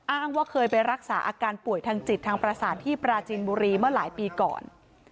อ้างว่าเคยไปรักษาอาการป่วยทางจิตทางประสาทที่ปราจีนบุรีเมื่อหลายปีก่อน